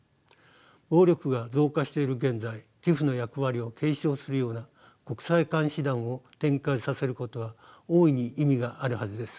暴力が増加している現在ＴＩＰＨの役割を継承するような国際監視団を展開させることは大いに意味があるはずです。